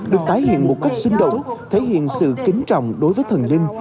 được tái hiện một cách sinh động thể hiện sự kính trọng đối với thần linh